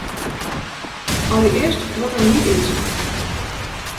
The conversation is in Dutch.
Allereerst wat er niet in staat.